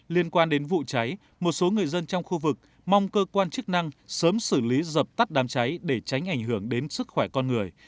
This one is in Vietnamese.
liên quan đến vụ cháy một số người dân trong khu vực mong cơ quan chức năng sớm xử lý dập tắt đám cháy để tránh ảnh hưởng đến sức khỏe con người